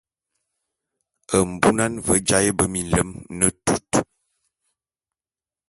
Mbunan ve jaé be minlem ne lut.